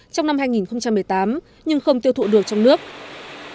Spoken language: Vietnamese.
trong năm hai nghìn một mươi tám nhưng không tiêu thụ được trong nước